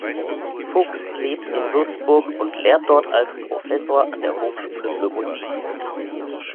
Fuchs lebt in Würzburg und lehrt dort als Professor an der Hochschule für Musik.